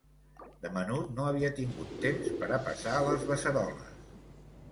De menut no havia tingut temps per a passar les beceroles.